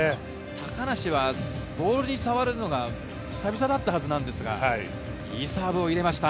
高梨はボールに触れるのが久々だったはずなんですが、いいサーブを入れました。